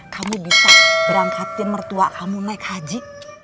kamu bisa berangkatin mertua kamu naik haji